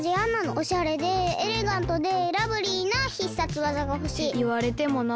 おしゃれでエレガントでラブリーな必殺技がほしい。っていわれてもな。